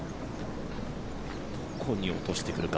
どこに落としてくるか。